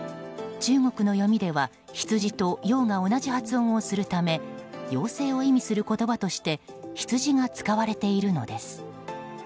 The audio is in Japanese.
中国の読みでは「羊」と「陽」が同じ発音をするため陽性を意味する言葉として羊が使われているのです。